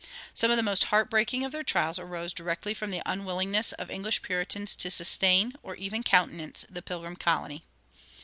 Some of the most heartbreaking of their trials arose directly from the unwillingness of English Puritans to sustain, or even countenance, the Pilgrim colony.